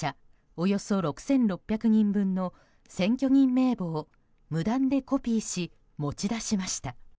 およそ６６００人分の選挙人名簿を無断でコピーし持ち出しました。